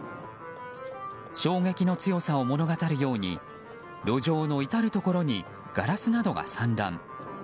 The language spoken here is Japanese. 衝撃の強さを物語るように路上の至るところにガラスなどが散乱。